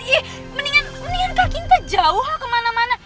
ih mendingan kak ginta jauh ke mana mana